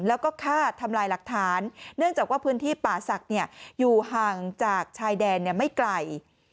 แล้วก็ฆ่าทำลายหลักฐานเนื่องจากว่าพื้นที่ป่าศักดิ์อยู่ห่างจากชายแดนไม่ไกล